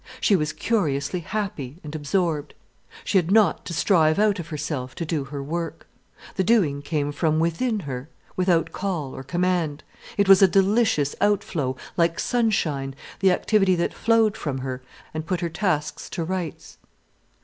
She was curiously happy and absorbed. She had not to strive out of herself to do her work. The doing came from within her without call or command. It was a delicious outflow, like sunshine, the activity that flowed from her and put her tasks to rights.